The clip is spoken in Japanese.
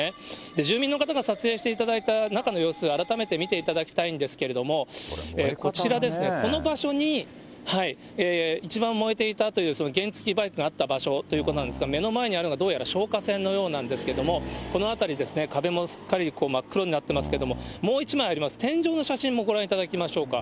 住民の方に撮影していただいた中の様子、改めて見ていただきたいけれども、こちらですね、この場所に一番燃えていたという、原付バイクがあった場所ということなんですが、目の前にあるのがどうやら消火栓のようなんですけども、この辺り、壁もすっかり真っ黒になっていますけれども、もう１枚あります、天井の写真もご覧いただきましょうか。